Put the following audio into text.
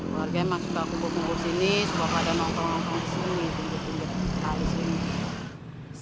keluarga emang suka kubur kubur sini suka pada nonton nonton di sini